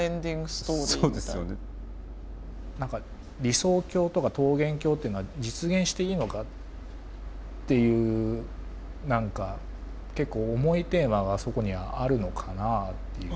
理想郷とか桃源郷っていうのは実現していいのかっていう何か結構重いテーマがそこにはあるのかなっていう。